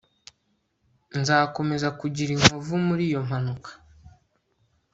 Nzakomeza kugira inkovu muri iyo mpanuka